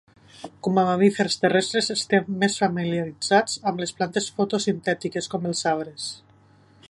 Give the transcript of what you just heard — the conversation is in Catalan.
Com a mamífers terrestres, estem més familiaritzats amb les plantes fotosintètiques com els arbres.